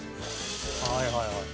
はいはいはい。